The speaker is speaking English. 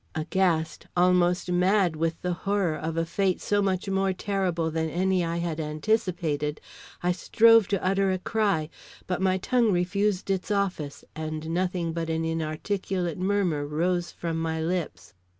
Aghast, almost mad with the horror of a fate so much more terrible than any I had anticipated, I strove to utter a cry; but my tongue refused its office, and nothing but an inarticulate murmur rose from my lips.